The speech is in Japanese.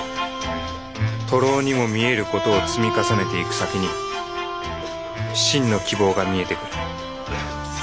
徒労にも見える事を積み重ねていく先に真の希望が見えてくる。